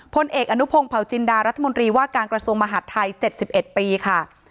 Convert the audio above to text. พลเอกอนุพงศ์เผาจินดารัฐมนตรีว่าการกระทรวงมหาดไทย๗๑ปีค่ะ